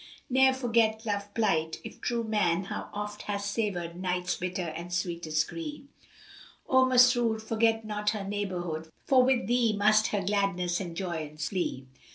Ne'er forget Love plight, if true man; how oft * Hast savoured Nights' bitter and sweetest gree! O Masrúr! forget not her neighbourhood * For wi' thee must her gladness and joyance flee!